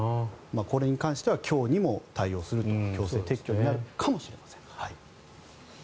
これに関しては今日にも対応すると強制撤去になるかもしれません。